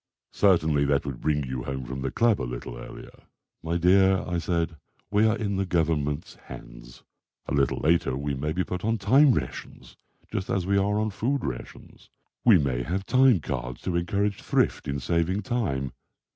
Certainly that would bring you home from the club a little earlier." "My dear," I said, "we are in the Government's hands. A little later we may be put on time rations, just as we are on food rations. We may have time cards to encourage thrift in saving time.